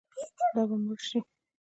دا به مړ شي.